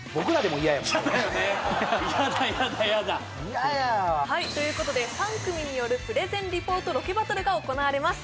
嫌だ嫌だ嫌やわということで３組によるプレゼンリポートロケバトルが行われます